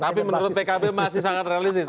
tapi menurut pkb masih sangat realistis